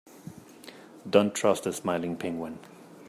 Don't trust the smiling penguin.